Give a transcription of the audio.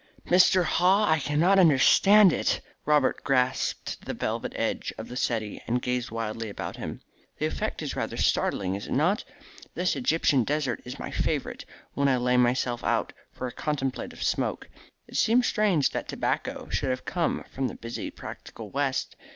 "Mr. Haw, I cannot understand it!" Robert grasped the velvet edge of the settee, and gazed wildly about him. "The effect is rather startling, is it not? This Egyptian desert is my favourite when I lay myself out for a contemplative smoke. It seems strange that tobacco should have come from the busy, practical West.